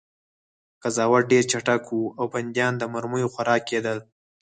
قضاوت ډېر چټک و او بندیان د مرمیو خوراک کېدل